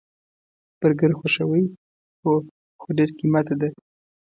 برګر خوښوئ؟ هو، خو ډیر قیمته ده